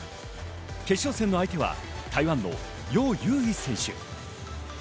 決勝戦の相手は台湾のヨウ・ユウイ選手。